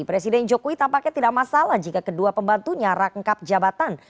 presiden jokowi tampaknya tidak masalah jika kedua pembantunya rangkap jabatan